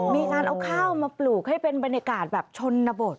มีการเอาข้าวมาปลูกให้เป็นบรรยากาศแบบชนบท